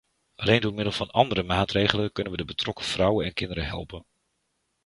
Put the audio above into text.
Alleen door middel van andere maatregelen kunnen we de betrokken vrouwen en kinderen helpen.